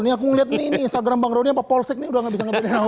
ini aku ngeliat nih instagram bang roni apa polsek nih udah gak bisa ngebedain aku